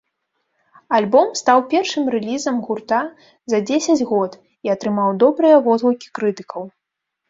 Альбом стаў першым рэлізам гурта за дзесяць год і атрымаў добрыя водгукі крытыкаў.